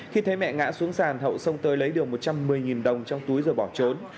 khi thấy mẹ ngã xuống sàn hậu xông tới lấy được một trăm một mươi đồng trong túi rồi bỏ trốn